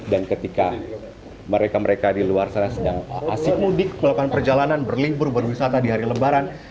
dan ketika mereka mereka di luar sana sedang asyik mudik melakukan perjalanan berlibur berwisata di hari lebaran